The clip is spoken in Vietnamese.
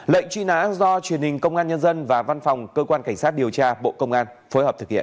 lệnh truy nã do truyền hình công an nhân dân và văn phòng cơ quan cảnh sát điều tra bộ công an phối hợp thực hiện